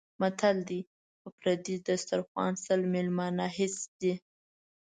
متل دی: په پردي دیسترخوا سل مېلمانه هېڅ دي.